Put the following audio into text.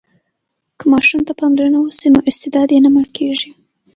که ماشوم ته پاملرنه وسي نو استعداد یې نه مړ کېږي.